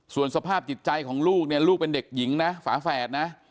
ส่วนสภาพจิตใจของลูกเนี่ยลูกเป็นเด็กหญิงนะฝาแฝดนะ